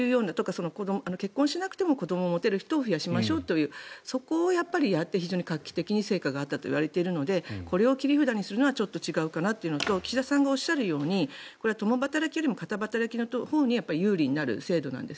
結婚しなくても子どもを持てる人を増やしましょうとやって画期的に成果があったといわれているのでこれを切り札にするのは違うかなというのと岸田総理がおっしゃるようにこれは共働きよりも片働きのほうに有利になる制度なんです。